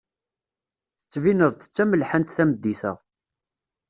Tettbineḍ-d d tamelḥant tameddit-a.